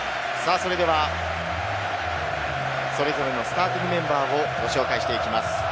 それぞれのスターティングメンバーをご紹介していきます。